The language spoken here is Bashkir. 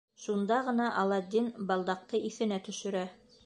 Шунда ғына Аладдин балдаҡты иҫенә төшөрә.